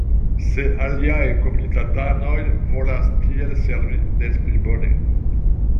Se aliaj komitatanoj volas tiel servi, despli bone.